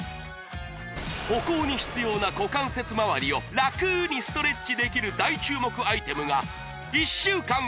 歩行に必要な股関節まわりをラクにストレッチできる大注目アイテムがえっ！